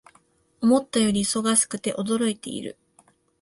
思ったより忙しくて驚いている